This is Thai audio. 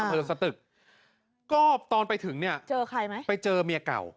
อำเภอสตึกก็ตอนไปถึงเนี่ยเจอใครไหมไปเจอเมียเก่า